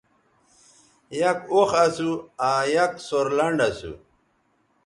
یک اوخ اسو آ یک سورلنڈ اسو